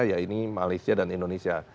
ya ini malaysia dan indonesia